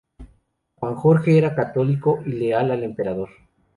Juan Jorge era católico y leal al emperador.